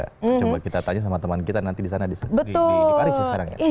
coba kita tanya sama teman kita nanti di sana di paris sih sekarang ya